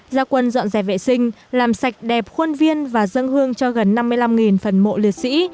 gia quân dọn rẻ vệ sinh làm sạch đẹp khuôn viên và dân hương cho gần năm mươi năm phần mộ liệt sĩ